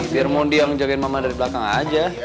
biar mondi yang jagain mama dari belakang aja